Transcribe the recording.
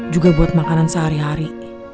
juga buat makanan sehari hari